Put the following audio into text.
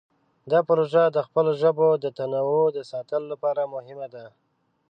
دا پروژه د خپلو ژبو د تنوع د ساتلو لپاره مهمه ده.